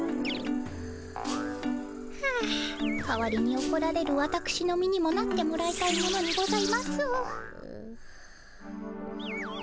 はあ代わりにおこられるわたくしの身にもなってもらいたいものにございます。